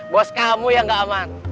bos kamu yang gak aman